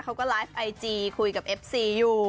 เขาก็ไลฟ์ไอจีคุยกับเอฟซีอยู่